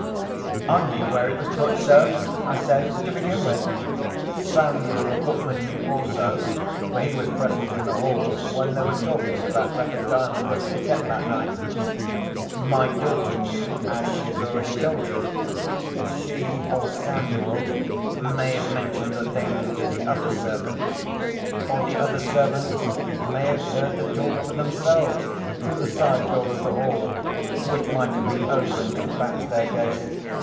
"I knew where it was put, sir," I said, "to begin with. Samuel, the footman, knew also—for he was present in the hall, when they were talking about where the Diamond was to be kept that night. My daughter knew, as she has already told you. She or Samuel may have mentioned the thing to the other servants—or the other servants may have heard the talk for themselves, through the side door of the hall, which might have been open to the back staircase.